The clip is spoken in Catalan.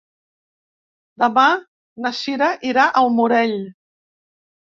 Demà na Sira irà al Morell.